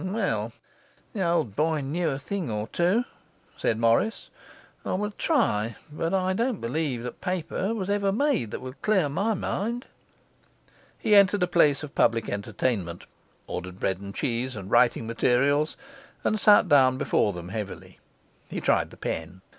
'Well, the old boy knew a thing or two,' said Morris. 'I will try; but I don't believe the paper was ever made that will clear my mind.' He entered a place of public entertainment, ordered bread and cheese, and writing materials, and sat down before them heavily. He tried the pen.